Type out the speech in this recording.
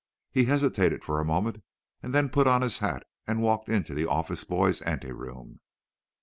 He hesitated for a moment, and then put on his hat and walked into the office boy's anteroom.